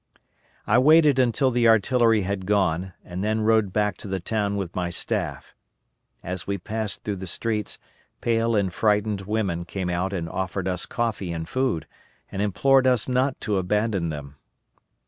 I waited until the artillery had gone and then rode back to the town with my staff. As we passed through the streets, pale and frightened women came out and offered us coffee and food, and implored us not to abandon them.